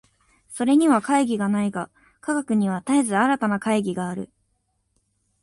それには懐疑がないが、科学には絶えず新たな懐疑がある。